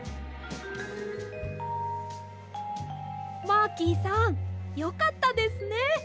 マーキーさんよかったですね。